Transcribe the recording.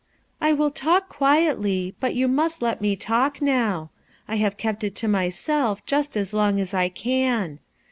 "I will talk quietly, but you must let me talk, now. I have kept it to myself just as long as I can.